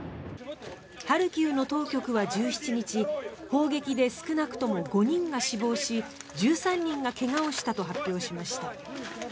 ハルキウの当局は１７日砲撃で少なくとも５人が死亡し１３人が怪我をしたと発表しました。